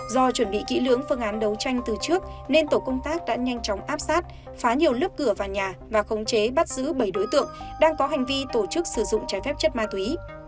do chuẩn bị kỹ lưỡng phương án đấu tranh từ trước nên tổ công tác đã nhanh chóng áp sát phá nhiều lớp cửa vào nhà và khống chế bắt giữ bảy đối tượng đang có hành vi tổ chức sử dụng trái phép chất ma túy